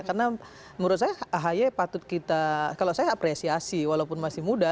karena menurut saya ahy patut kita kalau saya apresiasi walaupun masih muda